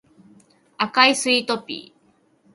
赤いスイートピー